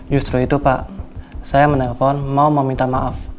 justru itu pak saya menelpon mau meminta maaf